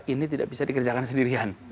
ini tidak bisa dikerjakan sendirian